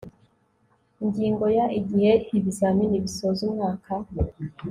ingingo ya igihe ibizamini bisoza umwaka